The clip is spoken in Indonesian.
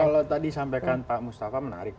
kalau tadi sampaikan pak mustafa menarik